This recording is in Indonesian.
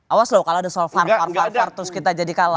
awas loh kalau ada soal var var terus kita jadi kalah